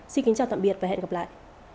xin kính chào tạm biệt và hẹn gặp lại